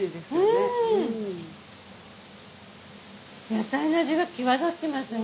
野菜の味が際立ってますね。